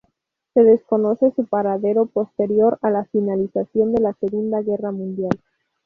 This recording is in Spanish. Se desconoce su paradero posterior a la finalización de la Segunda Guerra Mundial.